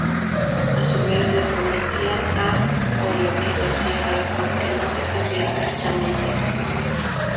A su vez, le prometían a Ariovisto tierras, aunque no se sabe exactamente dónde.